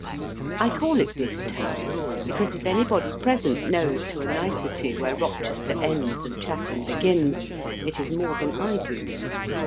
I call it this town, because if anybody present knows to a nicety where Rochester ends and Chatham begins, it is more than I do.